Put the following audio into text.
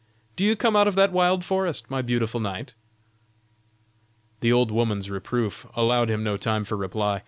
Do you come out of that wild forest, my beautiful knight?" The old woman's reproof allowed him no time for reply.